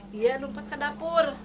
dia lompat ke dapur